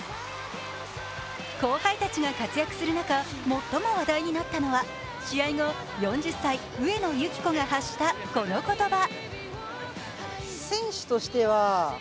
後輩たちが活躍する中、最も話題になったのは試合後、４０歳、上野由岐子が発した、この言葉。